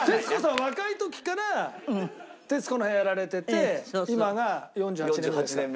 若い時から『徹子の部屋』やられてて今が４８年目ですか？